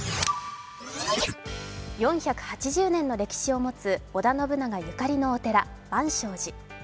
４８０年の歴史を持つ織田信長ゆかりのお寺、万松寺